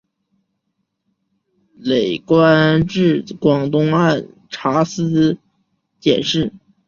累官至广东按察司佥事。